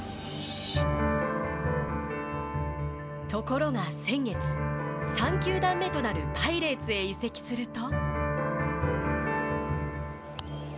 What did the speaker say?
ところが先月３球団目となるパイレーツへ移籍すると。